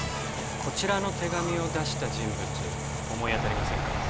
こちらの手紙を出した人物思い当たりませんか？